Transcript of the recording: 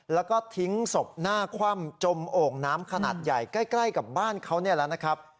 แล้วก็ทิ้งศพหน้าคว่ำจมโอ่งน้ำขนาดใหญ่ใกล้กับบ้านเขานี่แหละนะครับ